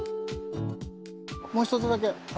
もう一つだけ。